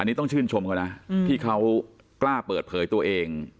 อันนี้ต้องชื่นชมเขานะที่เขากล้าเปิดเผยตัวเอง